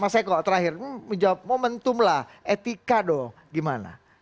mas eko terakhir menjawab momentum lah etika dong gimana